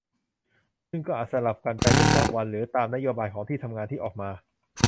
ซึ่งก็อาจสลับกันไปเป็นบางวัน หรือตามนโยบายของที่ทำงานที่ออกมา